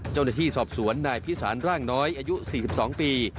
เจ้าหน้าที่สอบสวนนายพิสารร่างน้อยอายุ๔๒ปี